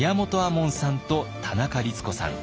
門さんと田中律子さん。